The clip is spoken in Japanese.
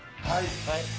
はい！